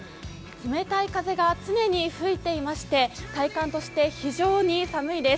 冷たい風が常に吹いていまして体感として非常に寒いです。